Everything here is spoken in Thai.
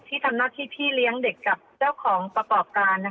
ที่ทำหน้าที่พี่เลี้ยงเด็กกับเจ้าของประกอบการ